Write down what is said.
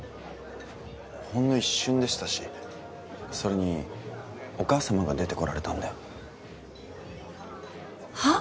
ほんの一瞬でしたしそれにお母様が出てこられたんではっ？